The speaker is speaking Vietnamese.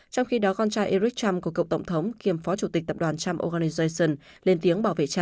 trong khi đó con trai eric trump của cậu tổng thống kiểm phó chủ tịch tập đoàn trump organization lên tiếng bảo vệ cha